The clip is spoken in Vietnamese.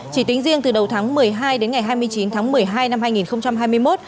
chỉ tính riêng từ đầu tháng một mươi hai đến ngày hai mươi chín tháng một mươi hai năm hai nghìn hai mươi một